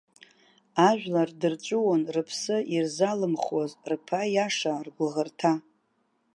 Ажәлар дырҵәыуон рыԥсы ирзалымхуаз рԥа иаша, ргәыӷырҭа.